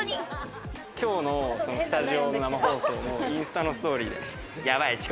今日のスタジオの生放送もインスタのストーリーでやばい遅刻！